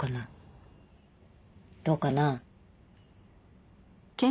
どうかな？